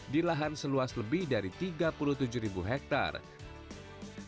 di lahan seluas lebih dari tiga puluh tujuh ribu hektare